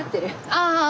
ああ。